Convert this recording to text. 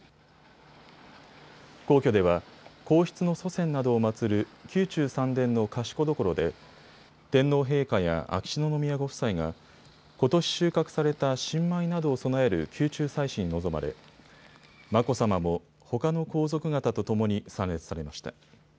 皇居では皇室の祖先などを祭る宮中三殿の賢所で天皇陛下や秋篠宮ご夫妻がことし収穫された新米などを供える宮中祭祀に臨まれ眞子さまもほかの皇族方とともに参列されました。